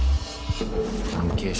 関係者